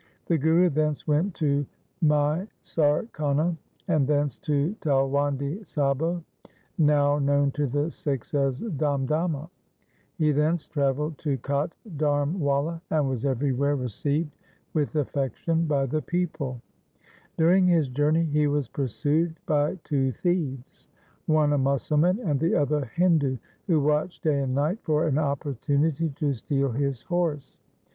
The Guru thence went to Maisarkhana, and thence to Talwandi Sabo, now known to the Sikhs as Damdama. He thence travelled to Kot Dharmwala and was everywhere LIFE OF GURU TEG BAHADUR 341 received with affection by the people. During his journey he was pursued by two thieves, one a Musalman and the other a Hindu, who watched day and night for an opportunity to steal his horse.